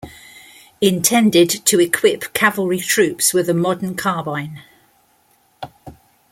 Intended to equip cavalry troops with a modern carbine.